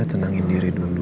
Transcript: tenangin diri dulu